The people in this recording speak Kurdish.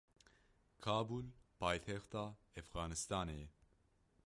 Kabûl paytexta Efxanistanê ye.